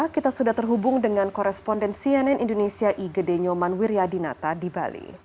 kita sudah terhubung dengan koresponden cnn indonesia igede nyoman wiryadinata di bali